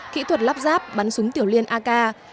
kỹ thuật lắp ráp bắn súng tiểu liên ak